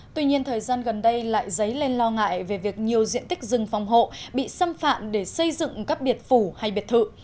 tuy nhiên thời gian gần đây lại dấy lên lo ngại về việc nhiều diện tích rừng phòng hộ bị xâm phạm để xây dựng các biệt phủ hay biệt thự